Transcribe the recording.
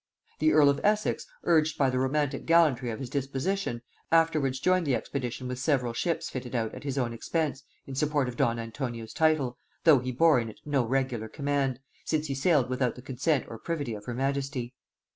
The earl of Essex, urged by the romantic gallantry of his disposition, afterwards joined the expedition with several ships fitted out at his own expense in support of don Antonio's title, though he bore in it no regular command, since he sailed without the consent or privity of her majesty.